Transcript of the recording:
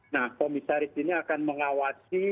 nah komisaris ini akan mengawasi